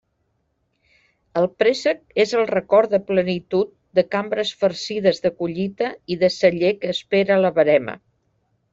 El préssec és el record de plenitud de cambres farcides de collita i de celler que espera la verema.